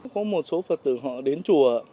có một số phật tử họ đến chùa